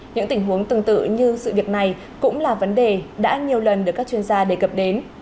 những tình huống tương tự như sự việc này cũng là vấn đề đã nhiều lần được các chuyên gia đề cập đến